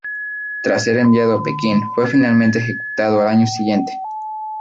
Tras ser enviado a Pekín, fue finalmente ejecutado al año siguiente.